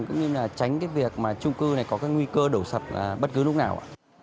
cũng như là tránh việc trung cư này có nguy cơ đổ sập bất cứ lúc nào